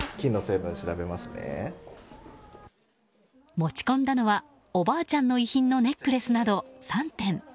持ち込んだのはおばあちゃんの遺品のネックレスなど３点。